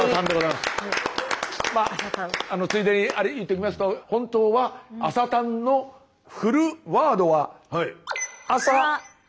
まあついでに言っときますと本当は「朝たん」のフルワードは。